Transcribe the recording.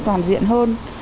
toàn diện hơn